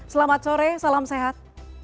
selamat sore salam sehat